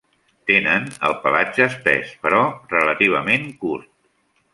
Tenen el pelatge espès però relativament curt.